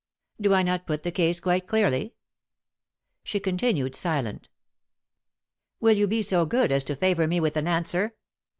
" Do I not put the case quite clearly ?" She continued silent "Will you be so good as to favour me with an answer?"